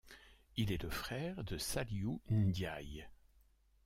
Il est le frère de Saliou Ndiaye.